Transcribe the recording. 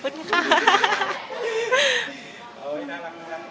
น่ารัก